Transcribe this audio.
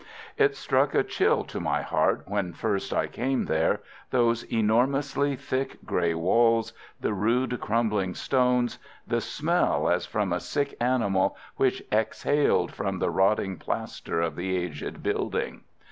It struck a chill to my heart when first I came there, those enormously thick grey walls, the rude crumbling stones, the smell as from a sick animal which exhaled from the rotting plaster of the aged building.